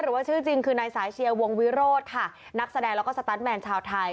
หรือว่าชื่อจริงคือนายสายเชียร์วงวิโรธค่ะนักแสดงแล้วก็สตาร์ทแมนชาวไทย